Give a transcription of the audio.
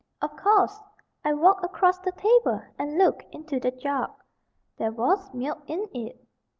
Of course, I walked across the table, and looked into the jug; there was milk in it.